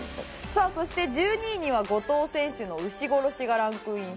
さあそして１２位には後藤選手の牛殺しがランクインしました。